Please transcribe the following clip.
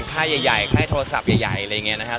ค่าใหญ่ค่าให้โทรศัพท์ใหญ่อะไรอย่างเงี้ยนะฮะ